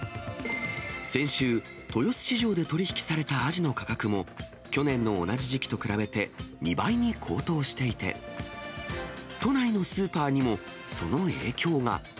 先週、豊洲市場で取り引きされたアジの価格も、去年の同じ時期と比べて、２倍に高騰していて、都内のスーパーにも、その影響が。